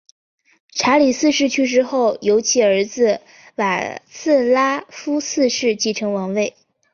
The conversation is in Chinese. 查理四世去世后由其儿子瓦茨拉夫四世继承王位。